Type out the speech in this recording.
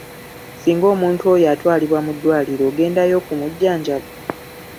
Singa omuntu oyo atwalibwa mu ddwaliro ogendayo okumujjanjaba?